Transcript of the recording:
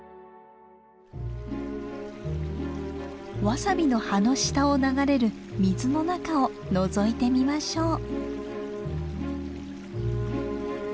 ワサビの葉の下を流れる水の中をのぞいてみましょう。